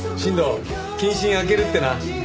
謹慎明けるってな。